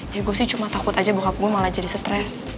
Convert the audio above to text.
ya gue sih cuma takut aja buka gue malah jadi stres